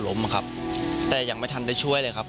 รถแสงทางหน้า